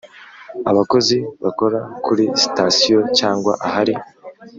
Abakozi bakora kuri sitasiyo cyangwa ahari